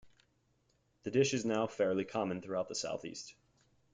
The dish is now fairly common throughout the Southeast.